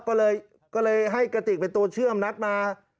ก็เลยให้กระติกเป็นตัวเชื่อมนัดมา